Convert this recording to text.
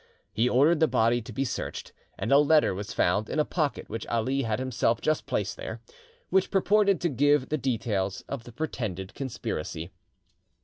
He ordered the body to be searched, and a letter was found in a pocket which Ali had himself just placed there, which purported to give the details of the pretended conspiracy.